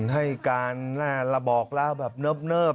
ให้การระบอกเล่าแบบเนิบ